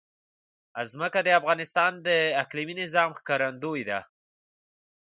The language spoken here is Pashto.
ځمکه د افغانستان د اقلیمي نظام ښکارندوی ده.